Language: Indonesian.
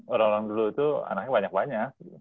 orang orang dulu itu anaknya banyak banyak